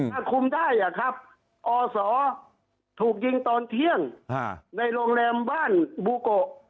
ถ้าคุมได้อะครับอศถูกยิงตอนเที่ยงในโรงแรมบ้านบูโกะ